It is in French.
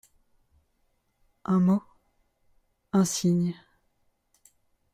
Un mot… un signe.